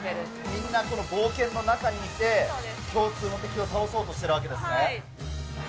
みんな冒険の中にいて、共通の敵を倒そうとしてるわけですね。